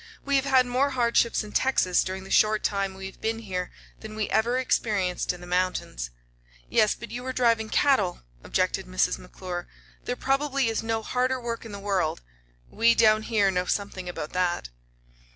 "We have had more hardships in Texas during the short time we have been here than we ever experienced in the mountains." "Yes; but you were driving cattle," objected Mrs. McClure. "There probably is no harder work in the world. We, down here, know something about that."